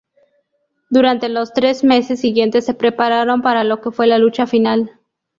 Durante los tres meses siguientes se prepararon para lo que fue la lucha final.